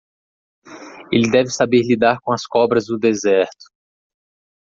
Ele deve saber lidar com as cobras do deserto.